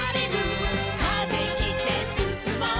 「風切ってすすもう」